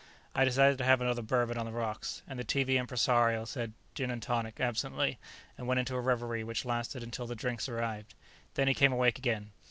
I decided to have another bourbon on the rocks, and the TV impresario said, "Gin and tonic," absently, and went into a reverie which lasted until the drinks arrived. Then he came awake again.